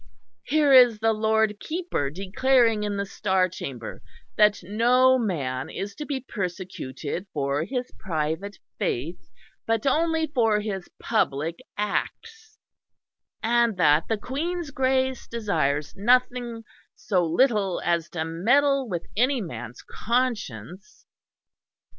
Here is the Lord Keeper declaring in the Star Chamber that no man is to be persecuted for his private faith, but only for his public acts, and that the Queen's Grace desires nothing so little as to meddle with any man's conscience.